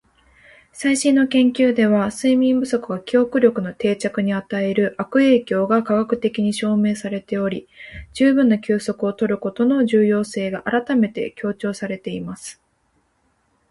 「最新の研究では、睡眠不足が記憶力の定着に与える悪影響が科学的に証明されており、十分な休息を取ることの重要性が改めて強調されています。」